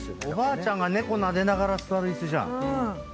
おばあちゃんが猫なでながら座る椅子じゃん。